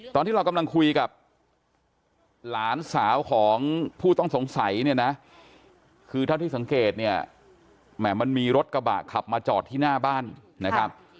ตอนที่เรากำลังคุยกับหลานสาวของผู้ต้องสงสัยเนี่ยนะคือเท่าที่สังเกตเนี่ยแหม่มันมีรถกระบะขับมาจอดที่หน้าบ้านนะครับ